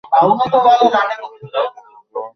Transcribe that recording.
আর যদি মেজর বাধা দেয় তবে ওকেও গুলি করো।